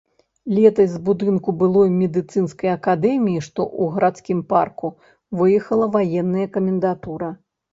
Летась з будынку былой медыцынскай акадэміі, што ў гарадскім парку, выехала ваенная камендатура.